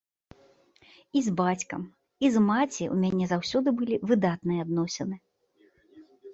І з бацькам, і з маці ў мяне заўсёды былі выдатныя адносіны.